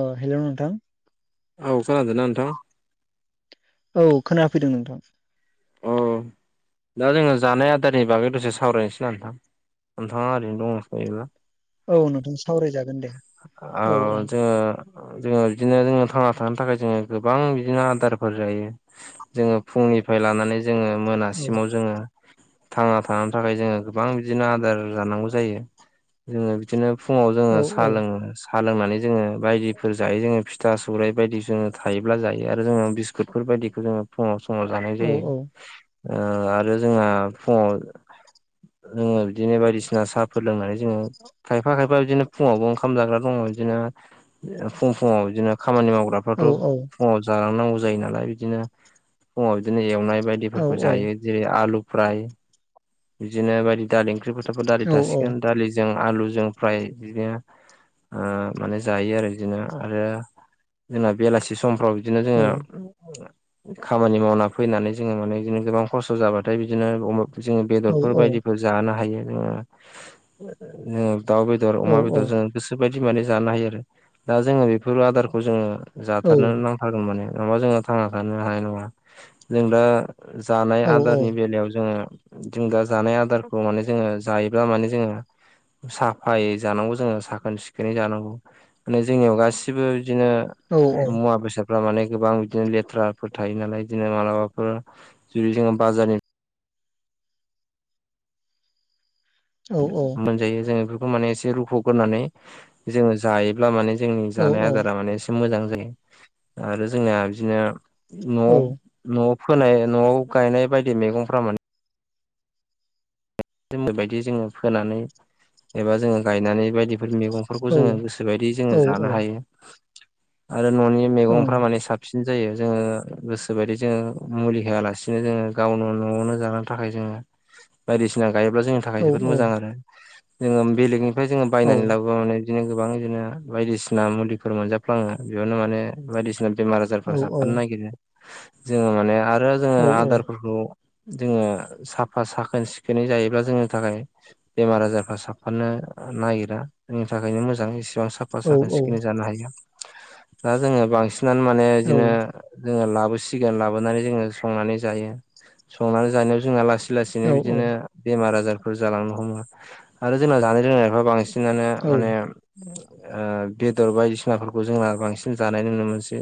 अ हेल' नोंथां औ खोनादों ना नोंथां? औ खोनाफैदों नोंथां। औ दा जोङो जानाय आदारनि बागै दसे सावरायनोसै ना नोंथां? नोंथांआ ओरैनो‌ दंडो थायोबा। औ नोंथां सावरायजागोन दे आ औ ज जोङो बिदिनो जोङो थांना थानो थाखाय जोङो गोबां बिदिनो आदारफोर जायो। जोङो फुंनिफ्राय लानानै जोङो औ मोनासिमाव जोङो थांना थानो थाखाय जोङो गोबां बिदिनो आदार जानांगौ जायो। जोङो बिदिनो फुङाव औ जोङो साहा औ लोङो सा लोंनानै जोङो बायदिफोर जायो जोङो फिथा सौराइ बायदि जोङो थायोब्ला जायो आरो जोङो बेफोरबायायदिखौ जोङो फुङाव समाव जानाय औ जायो। ओ- आरो जोंहा फुङाव जोङो बिदिनो बायदिसिना साहाफोर लोंनानै जोङो खायफा खायफा बिदिनो फुङावबो ओंखाम जाग्रा दङ बिदिनो फुं फुङाव बिदिनो खामानि मावग्रा औ थ' फुङाव जालांनांगौ जायो नालाय बिदिनो फुङाव बिदिनो एवनाय औ बायदिफोरखौ जायो जेरै आलु फ्राय बिदिनो बायदि दालि ओंख्रि फोथारफोर दालि औ थासिगोन दालिजों आलुजों फ्राय बिदिनो ओ- माने जायो आरो बिदिनो आरो जोंना बेलासि समफ्राव बिदिनो औ जोङो खामानि मावना फैनानै जोङो माने बिदिनो गोबां खस्थ' जाबाथाय बिदिनो जों औ बेदरफोर औ बायदिफोर जानो हायो जोङो जोङो दाउ बेदर बेदर अमा औ बेदर जोङो गोसोबायदि माने जानो हायो आरो दा जोङो बेफोर आदारखौ जोङो जाथारनो नांथारगोन माने नङाबा जोंहा थांना थानो हानाय नङा जों दा जानाय औ आदारनि बेलायाव जोङो जों दा जानाय आदारखौ माने जोङो जायोब्ला माने जोङो साफायै जानांगौ जोङो साखोन सिखोनै जानांगौ माने जोंनियाव गासिबो बिदिनो मुवा बेसाद फ्रा माने गोबां बिदिनो लेथ्राफोर थायो नालाय बिदिनो मालाबाफोर जुदि जोङो बाजारनि औ ओं मोनजायो जों बेफोरखौ माने एसे रुख'ग्रानै जोङो जायोब्ला माने जोंनि औ औ जानाय औ आदारा माने एसे मोजां जायो आरो जोंना बिदिनो न'आव न'आव फोनाय न'आव गायनाय बायदि मैगंफ्रा माने जबायदि जोङो फोनानै एबा जोङो गायनानै बायदि बे मैगंफोरखौ जोङो गोसोबायदि जोङो जानो हायो आरो न'नि मैगंफ्रा माने साबसिन जायो जोङो गोसोबायदि जोङो मुलि होआलासिनो जोङो गावनो न'आवनो जानो थाखाय जोङो। बायदिसिना गायोब्ला जोंनि थाखाय जोबोद मोजां आरो जोङो बेलेगनिफ्राय जोङो बायनानै लाबो माने बिदिनो गोबां जोङो बिदिनो बायदिसिना मुलिफोर मोनजाफ्लाङो बेयावनो माने बायदिसिना बेमार आजारफ्रा साबफानो नागिरो जोङो माने आरो जोङो आदारफोरखौ जोङो साफा साखोन सिखोनै जायोब्ला जोंनि थाखाय बेमार आजारफ्रा साफानो नागिरा आंनि थाखायनो मोजां एसेबां सा साखोन सिखोनै जानो हायो दा जोङो बांसिनानो माने बिदिनो जोङो लाबोसिगोन लाबोनानै जोङो संनानै जायो संनानै जानायाव जोंहा लासै लासैनो बिदिनो बेमार आजारफोर जालांनो हमो आरो जोंना जानाय लोंनायफ्रा बांसिनानो माने बेदर बायदिसिनाफोरखौ जोंना बांसिन जानाय नुनो मोनसै।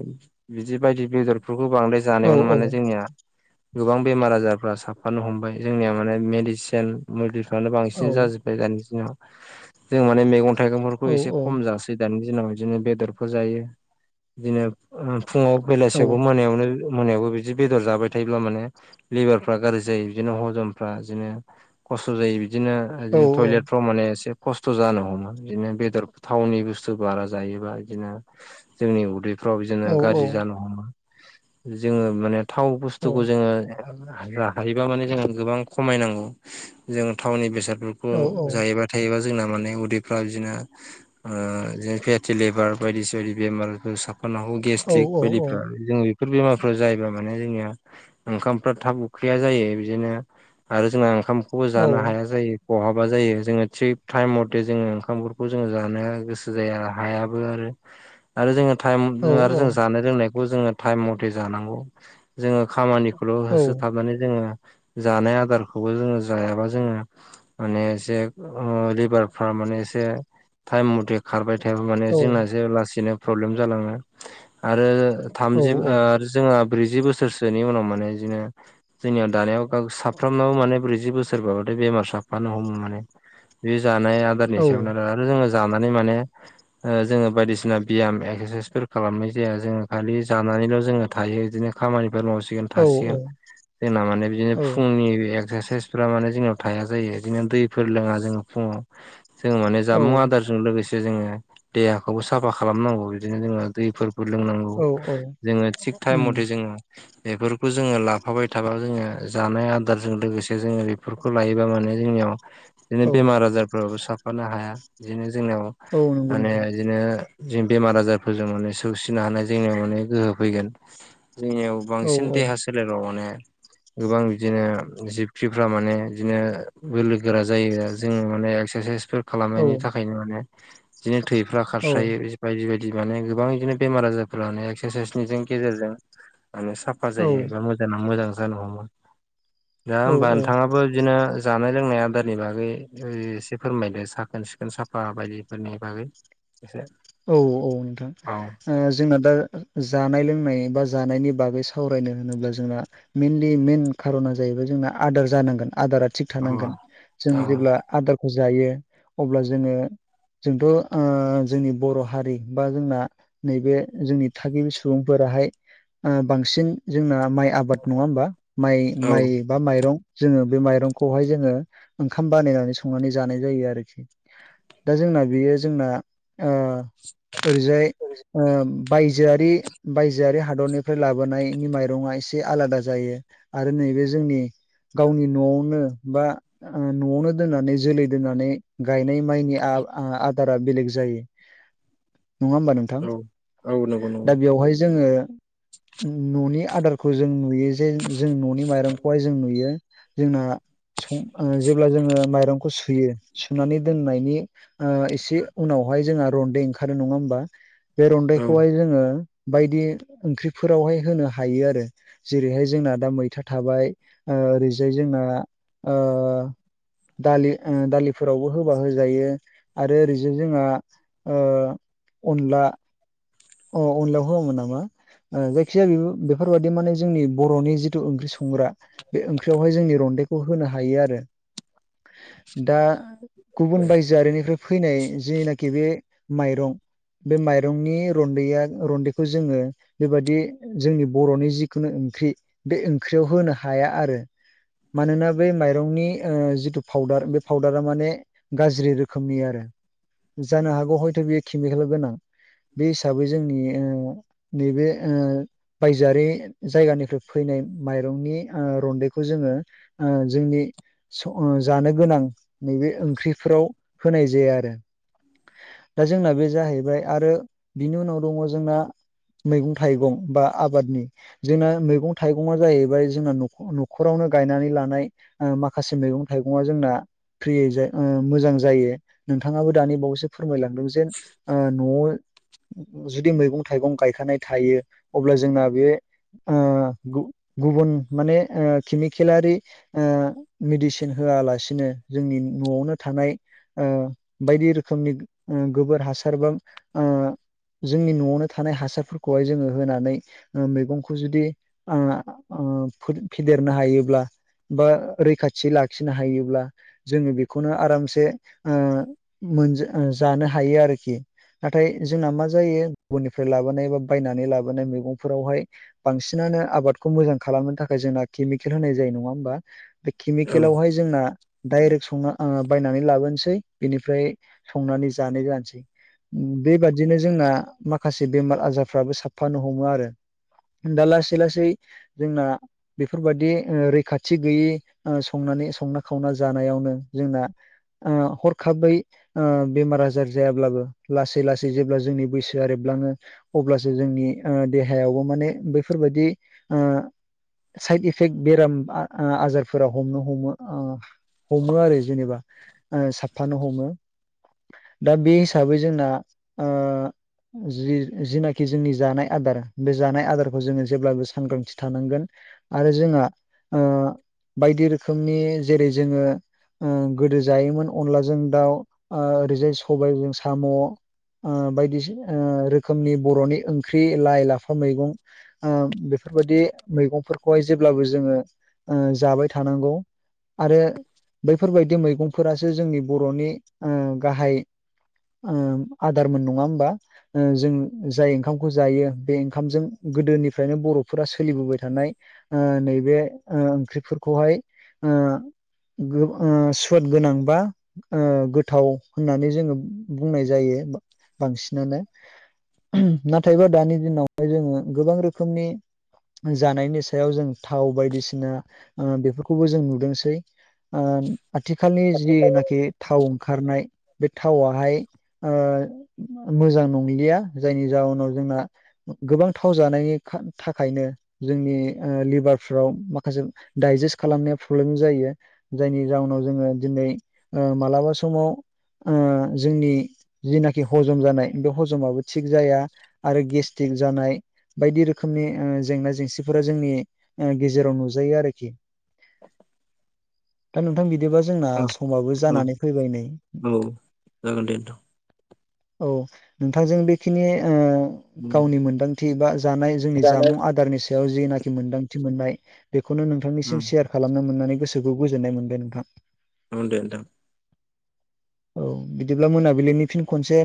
बिदि बायदि बेदरफोरखौ बांदाय जानायावनो माने जोंनिया गोबां बेमार आजारफ्रा साफानो हमबाय जोंनिया माने मेडिसिन मुलिफ्रानो बांसिन जाजोबाय दानि दिनाव जों माने मैगं थाइगंफोरखौ एसे खम जासै दानि दिनाव बिदिनो बेदरफोर जायो बिदिनो फुङाव बेलासियाव मोनायावनो मोनायावबो बिदि बेदर जाबाय थायोब्ला माने लिभारफ्रा गाज्रि जायो बिदिनो हजम बिदिनो खस्थ' जायो बिदिनो बिदिनो टयलेटफ्राव माने एसे खस्थ' जानो हमो बिदिनो बेदर थावनि बुस्थु बारा जायोबा बिदिनो जोंनि उदै फाव जोङो गाज्रि जानो हमा जोङो माने थाव बुस्थुखौ जोङो हा हायोबा माने जों गोबां खमायनांगौ जों थावनि बेसाद खौ जायोबा थायोबा जोंना माने उदैफ्रा बिदिनो आ जे फेथि लेभार बायदिसिदि बेमारबो साफान ह औ गेस्ट्रिक औ औ बायदिफ्रा जों बेफोर बेमारफोराव जायोब्ला माने जोंनिया ओंखामफ्रा थाब उखैया जायो बिदिनो आरो जोंना ओंखामखौबो जानो औ हाया जायो बहाबा जायो जोङो थिग टाइम मथे जोङो ओंखामफोरखौ जोङो जानो गोसो जाया हायाबो आरो [inaudible] आरो जोङो टाइम औ जानाय लोंनायखौबो टाइम मथे जानांगौ बेल' औ होसोथाबनानै जोङो जानाय आदारखौबो जोङो जायाबा जोङो माने एसे लिभार फार माने एसे टाइम मथे खारबाय थायाबा माने औ जोंना जो लासैनो प्रब्लेम जालाङो आरो औ थामजि जोंहा ब्रैजि बोसोरसोनि उनाव माने बिदिङो जोंनियाव दानायाव साब सफ्रामनावो माने ब्रैजि बोसोरबाथाय बेमार साबफानो हमो माने बे जानाय आदारनि औ सायावनो जोङो जानानै माने जोङो बायदिसिना बियाम एक्सारसाइसफोर खालामनाय जाया जोङो खालि जानानैल' जोङो थायो बिदिनो खामानिफोर मावसिगोन औ थासिगोन जोंना माने बिदिनो औ फुंनि एक्सारसाइस फोर माने जोंनाव थाया जायो बिदिनो दैफोर लोङा जोङो फुङाव जोङो माने औ जामुं आदारजों लोगोसे जोङो देहाखौबो साफा खालामनांगौ बिदिनो जोङो दैफोर फोर लोंनांगौ औ औ जोङो थिग टाइम उम मथे जोङो बेफोरखौ जोङो लाफाबाय थाबा जोङो जानाय आ आदारजों लोगोसे जोङो बेफोरखौ लायोबा माने जोंनियाव बिदिनो औ बेमार आजारफ्राबो साफ फानो हाया बिदिनो जोंनियाव औ नंगौ माने नोंथां बिदिनो जों बेमार आजारफोरजों माने सौसिनो हानाय जोंनियाव माने गोहो फैगोन जोंनियाव औ बांसिन औ देहा सोलेराव माने गोबां बिदिनो जिबखिफ्रा माने बिदिनो बोलो गोरा जायो जोङो माने एक्सारसाइस औ खालामनायनि थाखायनो माने बिदिनो थैफ्रा औ खारस्रायो बायदि बायदि माने गोबां बिदिनो बेमार आजारफोर मान एक्सारसाइसनिजों गेजेरजों माने साफ जायो एबा मोजाङा मोजां जानो हमो दा औ होमबा नोंथाङाबो बिदिनो जानाय लोंनाय आदारनि बागै एसे फोरमायदो साखोन सिखोन साफा बायदिफोरनि बागै बेसे औ-औ नोंथां जोंना दा जानाय लोंनाय बा जानायनि बागै सावरायनो होनोब्ला जोंना मइेनलि मेन खार'ना जाहैबाय जोंना आदार जानांगोन आदारा थिग औ थानांगोन जों औ जेब्ला आदारखौ जायो अब्ला जोङो जोंथ' जोंनि बर' हारि बा जोंना नैबे जोंनि थागिबि सुबुंफोराहाय बांसिन जोंना माइ आबाद नङा होमबा माइ औ माइ बा माइरं जोङो बे माइरंखौहाय जोङो ओंखाम बानायनानै संनानै जानाय जायो आरोखि दा जोंना बेयो जोंना ओरैजाय बायजोआरि बायजोआरि हादरनिफ्राय लाबोनायनि माइरंआ एसे आलादा जायो आरो नैबे जोंनि गावनि न'आवनो बा न'आवनो दोननानै जोलै दोननानै गायनाय माइनि आदारा बेलेग जायो नङा होमबा नोंथां औ औ नंगौ दा नंगौ बेवहाय जोङो न'नि आदारखौ जों नुयो जे जों न'नि माइरंखौहाय जों नुयो जोंना जेब्ला जोङो माइरंखौ सुयो सुनानै दोननायनि एसे उनावहाय जोंहा रनन्दै ओंखारो नङा होमबा बे औ रन्दैखौहाय जोङो बायदि ओंख्रिफोरावहाय होनो हायो आरो जेरैहाय जोंना दा मैथा थाबाय ओरैजाय जोंना दालि दालिफोरावबो होबा होजायो आरो ओरैज जोंहा ओ अनला अ उनलायाव होआमोन नामा जायखिजाया बेफोरबादि माने जोंनि बर'नि जिथु ओंख्रि संग्रा बे ओंख्रियावहाय जोंनि रन्दैखौ होनो हायो आरो दा गुबुन बायजोआनिफ्राय फैनाय जनाखि बे माइरं बे माइरंनि रन्दैया रन्दैखौ जोङो बेबायाददि जोंनि बर'नि जिखुनु ओंख्रि बे ओंख्रियाव होनो हाया आरो मानोना बै माइरंनि जिथु पाउदार बे फाउदारा माने गाज्रि रोखोमनि आरो जानो हागौ हयथ' बेयो केमिकेल गोनां बे हिसाबै जोंनि नैबे बायजोआरि जायगानिफ्राय फैनाय माइरंनि रन्दैखौ जोङो जोंनि जानो गोनां नैबे ओंख्रिफोराव होनाय जाया आरो दा जोंना बे जाहैबाय आरो बिनि उनाव दङ जोंना मैगं थाइगं बा आबादनि जोंना मैगं थाइगंङा जाहैबाय जोंना न'खरावनो गायनानै लानाय माखासे मैगं थाइगंङा जोंना फ्रियै ज मोजां जायो नोंथाङाबो दानि बावैसो फोरमायलांदों जे आ न' जुदि मैगं थाइगं गायखानाय थायो अब्ला जोंना बे गुबुन माने किमिकेलारि मेडिसिन होआलासिनो जोंनि न'आवनो थानाय बायदि रोखोमनि गोबोर हासार बा जोंनि न'आवनो थानाय हासारफोरखौहाय जोङो होनानै मैगंखौ जुदि आं फेदेरनो हायोब्ला बा रैखाथि लाखिनो हायोब्ला जोङो बेखौनो आरामसे मोनज जानो हायो आरोखि नाथाय जोंना मा जायो गुबुननिफ्राय लाबोनाय बा बायनानै लाबोनाय मैगंफोरावहाय बांसिनानो आबादखौ मोजां खालामनो थाखाय जोंना केमिकेल होनाय जायो नङा होमबा बे औ केमिकेलावहाय जोंना दडायरेक्ट संना बायनानै लाबोनोसै बिनिफ्राय संनानै जानाय जानोसै बेबादिनो जोंना माखासे बेमार आजारफ्राबो साफानो हमो आरो दा लासै लासै जोंना बेफोरबायाददि रैखाथि गैयै संनानै संना खावना जानायावनो जोंना हरखाबै बेमार आजार जायाब्लाबो लासै लासै जेब्ला जोंनि बैसोआ रेबलाङो अब्लासो जोंनि देहायावबो माने बैफोरबायाददि साइद इफेक्ट बेराम आजारफोरा हमनो हमो हमो आरो जेनेबा साबफानो हमो दा बे हिसाबै जोंना जि जिनाखि जोंनि जानाय आदार बे जानाय आदारखौ जोङो जेब्लाबो सांग्रांथि थानांगोन आरो जोंहा बायदि रोखोमनि जेरै जोङो गोदो जायोमोन अनलाजों दाउ ओरैजाय सबायाइजों साम' बायदिसिना रोखोमनि बर'नि ओंख्रि लाइ लाफा मैगं बेफोरबायाददि मैगंफोरखौहाय जेब्लाबो जोङो जाबाय थानांगौ आरो बैफोरबायदि मैगंफोरासो जोंनि बर'नि गाहाय आदारमोन नङा होमबा जों जाय ओंखामखौ जायो बे ओंखामजों गोदोनिफ्रायनो बर'फोरा सोलिबोबाय थानाय नैबे ओंख्रिफोरखौहाय सुवद गोनांबा ओ गोथाव होननानै जोङो बुंनाय जायो बांसिनानो नाथायबा दानि दिनावहाय जोङो गोबां रोखोमनि जानायनि सायाव जों थाव बायदिसिना बेफोरखौबो जों नुदोंसै आथिखालनि जिनाखि थाव ओंखारनाय बे थावाहाय मोजां नंलिया जायनि जाहोनाव जोंना गोबांथाव जानायनि थाखायनो जोंनि लिभारफ्राव माखासे दडाइजेस्ट खालामनाया प्रब्लेम जायो जायनि जाहोनाव जोङो दिनै मालाबा समाव ओ जोंनि जिनाखि हजम जानाय बे हजमाबो थिग जाया आरो गेस थिग जानाय बायदि रोखोमनि जेंना जेंसिफोरा जोंनि गेजेराव नुजायो आरोखि दा नोंथां बिदिबा जोंना औ समाबो औ जानानै फैबाय नै औ जागोन दे नोंथां औ नोंथांजों बेखिनि नोंथां गावनि मोनदांथि बा जानाय जोंनि जानाय जामुं आदारनि जेनाखि मोन्दांथि मोननाय बेखौनो उम नोंथांनिसिम सेयार खालामनो मोननानै गोसोखौ गोजोननाय मोनबाय नोंथां आ दे नोंथां औ बिदिब्ला मोनाबिलिनि फिन खनसे